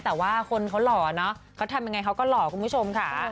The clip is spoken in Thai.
แต่ว่าคนเขาหล่อเนอะเขาทำยังไงเขาก็หล่อคุณผู้ชมค่ะ